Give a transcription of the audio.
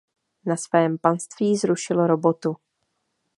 Na svém panství zrušil robotu.